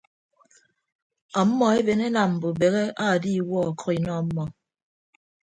Ọmmọ eben enam mbubehe aadiiwuọ ọkʌk inọ ọmmọ.